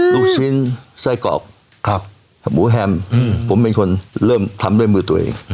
ลูกชิ้นไส้กรอกหมูแฮมผมเป็นคนเริ่มทำด้วยมือตัวเอง